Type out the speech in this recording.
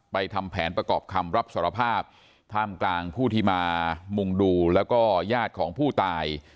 ทำแผนประกอบคำรับสารภาพท่ามกลางผู้ที่มามุงดูแล้วก็ญาติของผู้ตาย